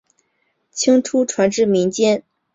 清初传至民间。